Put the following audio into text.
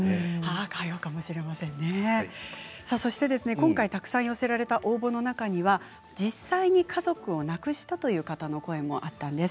今回寄せられた応募の中には実際に家族を亡くしたという方の声もあったんです。